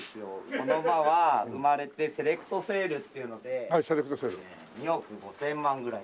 この馬は生まれてセレクトセールっていうので２億５０００万ぐらいした。